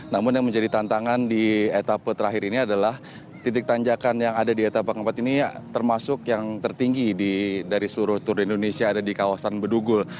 namun yang menjadi tantangan di etapa terakhir ini adalah titik tanjakan yang ada di etapa keempat ini termasuk yang tertinggi dari seluruh tour de indonesia ada di kawasan bedugul